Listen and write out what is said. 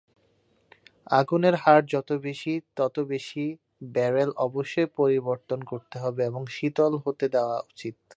আগুনের হার যত বেশি, তত বেশি ব্যারেল অবশ্যই পরিবর্তন করতে হবে এবং শীতল হতে দেওয়া উচিত।